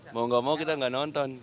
mau gak mau kita nggak nonton